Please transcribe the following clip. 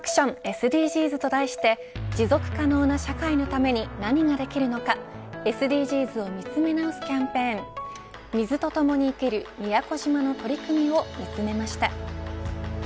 ＳＤＧｓと題して持続可能な社会のために何ができるのかＳＤＧｓを見つめ直すキャンペーン水と共に生きる宮古島の取り組みを見つめました。